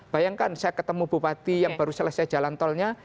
bayangkan saya ketemu bupati yang baru selesai jalan tolnya